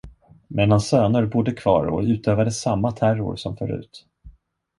Men hans söner bodde kvar och utövade samma terror som förut.